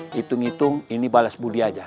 hitung hitung ini bales buli aja